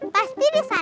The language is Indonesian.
pasti di sana